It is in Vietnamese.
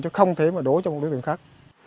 chứ không thể mà đổ cho một đối tượng khác